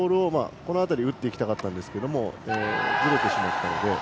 この辺りに打っていきたかったんですがずれてしまったので。